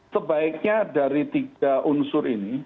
sebaiknya dari tiga unsur ini